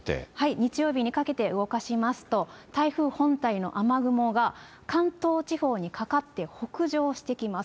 日曜日にかけて動かしますと、台風本体の雨雲が、関東地方にかかって北上してきます。